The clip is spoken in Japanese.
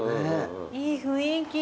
いい雰囲気。